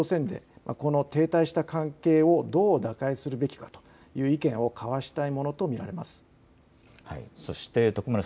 日本との間でも対北朝鮮でこの停滞した関係をどう打開するべきかという意見を交わしたいものと見られます。